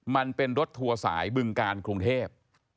มันเป็นรถทัวร์สายบึงการกรุงเทพ